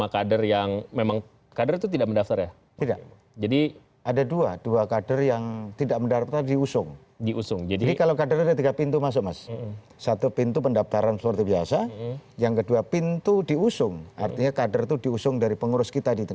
kemudian pintu ke drinking